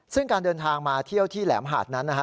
ซึ่งการเดินทางมาเที่ยวที่แหลมหาดนั้นนะฮะ